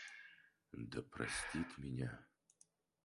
Да простит меня...